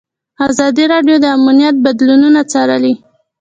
ازادي راډیو د امنیت بدلونونه څارلي.